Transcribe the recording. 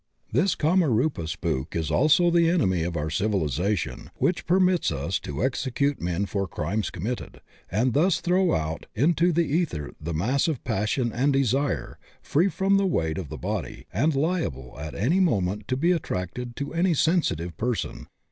This Kamarupa spook is also the enemy of our civilization, which permits us to execute men for crimes committed and thus throw out into the ether the mass of passion and desire free from the weight of the body and liable at any moment to be attracted to any sensitive person.